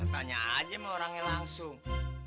tanya aja sama orangnya langsung